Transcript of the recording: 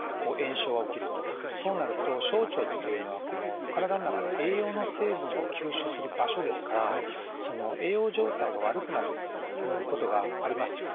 炎症が起きるとそうなると小腸っていうのはこの体の中で栄養の成分を吸収する場所ですからその栄養状態が悪くなることがあります。